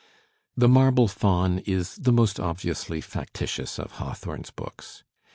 "The Marble Faun" is the most obviously factitious of Hawthorne's books.